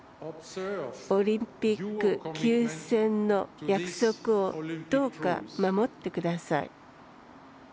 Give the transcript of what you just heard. オリンピック休戦の約束をどうか守ってください。